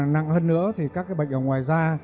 nặng hơn nữa thì các cái bệnh ở ngoài da